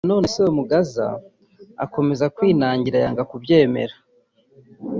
Na none Semugaza akomeza kwinangira yanga kubyemera